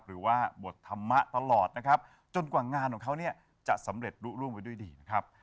หรือว่าบทธรรมะตลอดนะครับจนกว่างานของเขาเนี่ยจะสำเร็จรู้ร่วงไว้ด้วยดีนะครับ